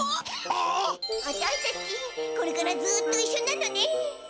あたいたちこれからずっといっしょなのね。